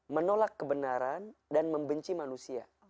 menolak kebenaran dan membenci manusia